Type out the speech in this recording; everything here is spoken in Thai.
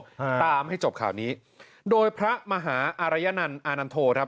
อ่าตามให้จบข่าวนี้โดยพระมหาอารยนันต์อานันโทครับ